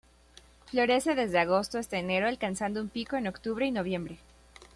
Florece desde agosto hasta enero alcanzando un pico en octubre y noviembre.